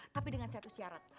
tapi dengan satu syarat